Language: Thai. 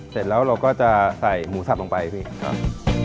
เสร็จแล้วเราก็จะใส่หมูสับลงไปพี่ครับ